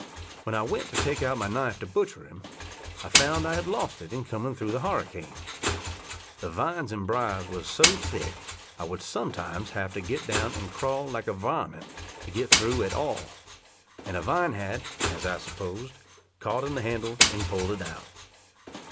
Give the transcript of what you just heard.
When I went to take out my knife to butcher him, I found I had lost it in coming through the harricane. The vines and briers was so thick that I would sometimes have to get down and crawl like a varment to get through at all; and a vine had, as I supposed, caught in the handle and pulled it out.